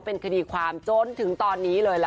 เป็นคดีความจนถึงตอนนี้เลยล่ะค่ะ